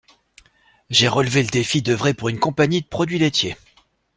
J’ai relevé le défi d’œuvrer pour une compagnie de produits laitiers.